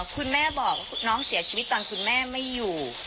คุณแม่บอกน้องเสียชีวิตตอนคุณแม่ไม่อยู่